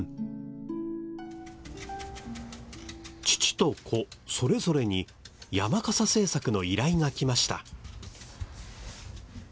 父と子それぞれに山笠制作の依頼がきました。